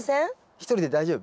一人で大丈夫？